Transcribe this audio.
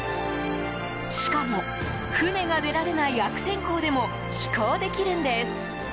しかも船が出られない悪天候でも飛行できるんです。